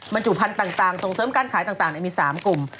จุพันธุ์ต่างส่งเสริมการขายต่างมี๓กลุ่ม